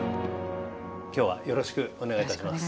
今日はよろしくお願いいたします。